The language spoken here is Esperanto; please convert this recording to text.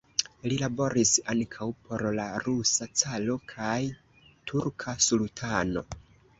Li laboris ankaŭ por la rusa caro kaj turka sultano.